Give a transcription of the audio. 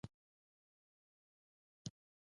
د اعصابو ارامولو لپاره کوم ګل وکاروم؟